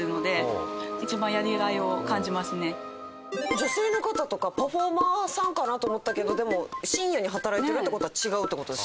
女性の方とかパフォーマーさんかなと思ったけどでも深夜に働いてるって事は違うって事ですもんね。